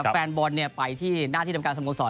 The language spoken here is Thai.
แฟนบอลไปที่หน้าที่ทำการสโมสร